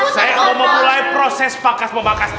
saya akan memulai proses pangkas pangkas